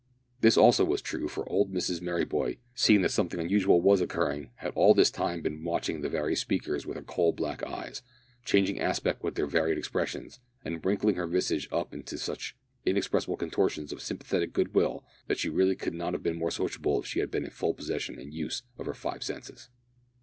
This also was true, for old Mrs Merryboy, seeing that something unusual was occurring, had all this time been watching the various speakers with her coal black eyes, changing aspect with their varied expressions, and wrinkling her visage up into such inexpressible contortions of sympathetic good will, that she really could not have been more sociable if she had been in full possession and use of her five senses.